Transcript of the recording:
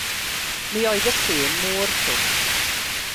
Mi oedd y lle mor llwm.